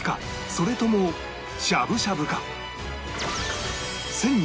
それともしゃぶしゃぶか？